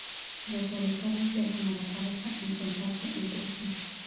Los Solitarios dejan a la pareja enfrentarse entre sí.